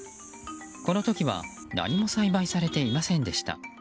この時は何も栽培されていませんでした。